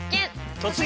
「突撃！